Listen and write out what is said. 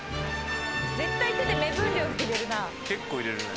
絶対手で目分量で入れるな。